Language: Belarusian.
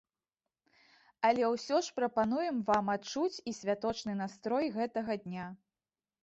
Але ўсё ж прапануем вам адчуць і святочны настрой гэтага дня.